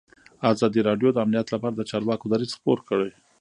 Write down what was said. ازادي راډیو د امنیت لپاره د چارواکو دریځ خپور کړی.